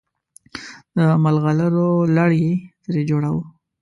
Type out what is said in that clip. د ملغلرو لړ یې ترې جوړاوه.